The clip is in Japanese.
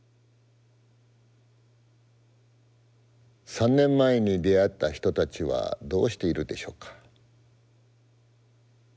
３年前に出会った人たちはどうしているでしょうか。